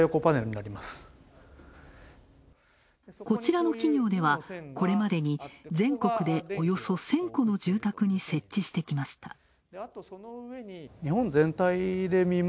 こちらの企業では、これまでに全国でおよそ１０００戸の住宅に設置してきました。